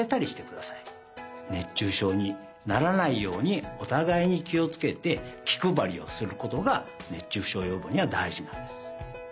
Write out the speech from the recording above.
熱中症にならないようにおたがいにきをつけてきくばりをすることが熱中症よぼうにはだいじなんです。